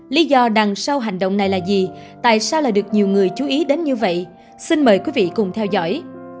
lý do đằng sau hành động này là gì tại sao lại được nhiều người chú ý đến như vậy xin mời quý vị cùng theo dõi